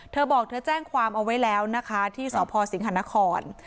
เธอบอกเธอแจ้งความเอาไว้แล้วนะคะที่สพสิงหานคร